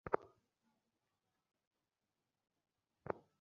গতকাল মঙ্গলবার এ-সংক্রান্ত নথি সরকারি কৌঁসুলির দপ্তরে পৌঁছালে বিষয়টি ধরা পড়ে।